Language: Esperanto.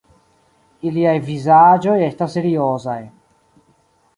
Iliaj vizaĝoj estas seriozaj.